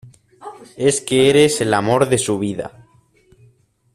es que eres el amor de su vida.